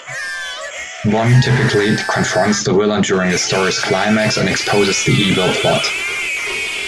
Bond typically confronts the villain during the story's climax and exposes the evil plot.